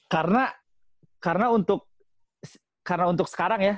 karena karena untuk karena untuk sekarang ya